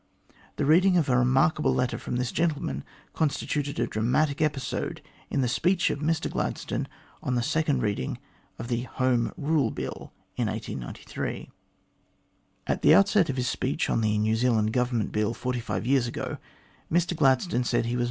The reading of a remark able letter from this gentleman constituted a dramatic episode in the speech of Mr Gladstone on the second reading of the Home Eule Bill of 1893. At the outset of his speech on the New Zealand Govern ment Bill forty five years ago, Mr Gladstone said he was